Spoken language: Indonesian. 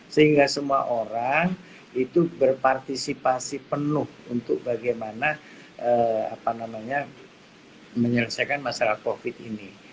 sehingga semua orang itu berpartisipasi penuh untuk bagaimana menyelesaikan masalah covid ini